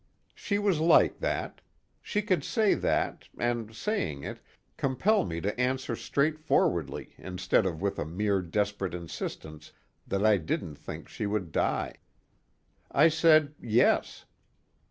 She was like that. She could say that, and saying it, compel me to answer straightforwardly instead of with a mere desperate insistence that I didn't think she would die. I said: "Yes."